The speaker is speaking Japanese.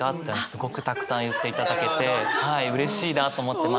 すごくたくさん言っていただけてはいうれしいなと思ってます。